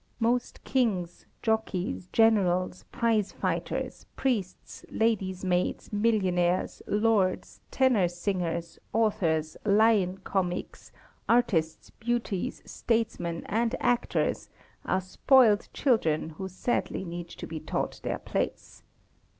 Most kings, jockeys, generals, prize fighters, priests, ladies' maids, millionaires, lords, tenor singers, authors, lion comiques, artists, beauties, statesmen, and actors are spoiled children who sadly need to be taught their place.